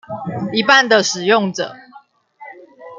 一半的使用者